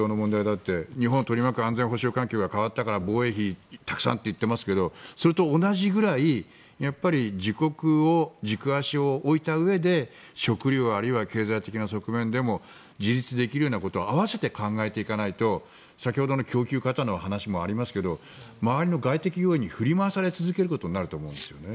日本を取り巻く安全保障環境が変わったから防衛費をたくさんと言っていますがそれと同じぐらい自国に軸足を置いたうえで食料あるいは経済的な側面でも自立できるようなことを併せて考えていかないと先ほどの供給過多の話もありますけど周りの外的要因に振り回され続けることになると思うんですね。